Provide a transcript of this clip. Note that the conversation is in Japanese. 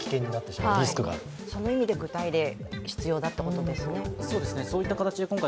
その意味で具体例が必要だってことですね。